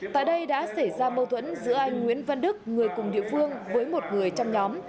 tại đây đã xảy ra mâu thuẫn giữa anh nguyễn văn đức người cùng địa phương với một người trong nhóm